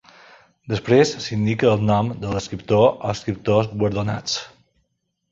Després s'indica el nom de l'escriptor o escriptors guardonats.